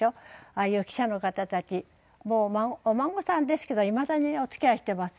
ああいう記者の方たちもうお孫さんですけどいまだにお付き合いしてます。